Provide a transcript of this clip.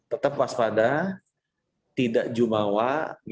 tetap waspada tidak jumawa